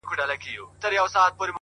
یو موږک را څه په سپینو سترګو وړی,